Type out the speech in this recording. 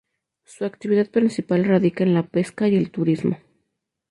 Su actividad principal radica en la pesca y el turismo.